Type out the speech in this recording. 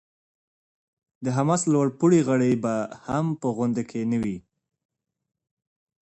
د حماس لوړ پوړي غړي به هم په غونډه کې نه وي.